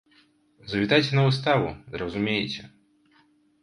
Завітайце на выставу, зразумееце.